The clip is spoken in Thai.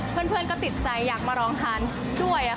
เพื่อนก็ติดใจอยากมาลองทานด้วย